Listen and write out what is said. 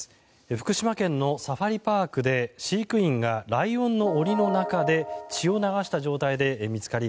福島県のサファリパークで飼育員がライオンの檻の中で血を流した状態で見つかり